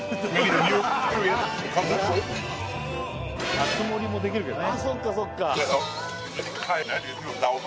熱盛りもできるけどね。